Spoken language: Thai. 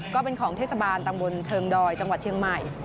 ก็เป็นของเทศบาลตำบลเชิงดอยจังหวัดเชียงใหม่